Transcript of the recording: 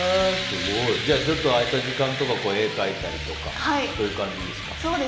ちょっと空いた時間とかに絵を描いたりとかそういう感じですか。